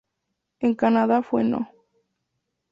En Canadá fue No.